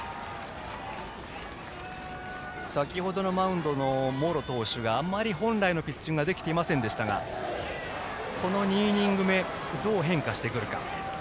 先程のマウンドの茂呂投手があまり本来のピッチングができていませんでしたがこの２イニング目どう変化してくるか。